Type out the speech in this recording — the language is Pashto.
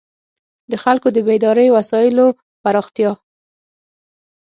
د خلکو د بېدارۍ وسایلو پراختیا.